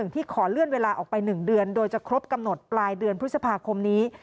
ที่ขอเลื่อนเวลาออกไป๑เดือนโดยจะครบกำหนดปลายเดือนพฤษภาคมนี้